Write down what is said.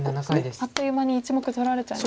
あっという間に１目取られちゃいました。